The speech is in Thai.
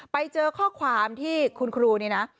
ไปเจอข้อความที่คุณครูนี่นะ